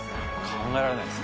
考えられないですね。